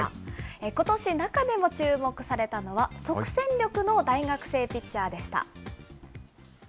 ことし、中でも注目されたのは、即戦力の大学生ピッチャーでした。